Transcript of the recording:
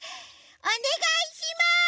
おねがいします！